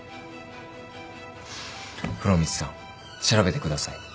風呂光さん調べてください。